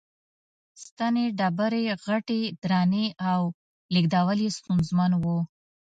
ستنې ډېرې غټې، درنې او لېږدول یې ستونزمن و.